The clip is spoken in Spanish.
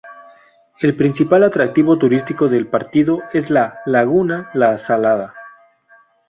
El principal atractivo turístico del partido es la "laguna La Salada".